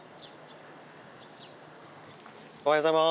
おはようございます。